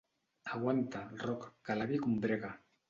Aguanta, Roc, que l'avi combrega.